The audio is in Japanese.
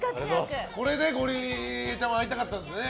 これでゴリエちゃんは会いたかったんですね。